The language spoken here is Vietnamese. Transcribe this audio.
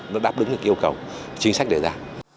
nó đáp ứng được yêu cầu chính sách đề ra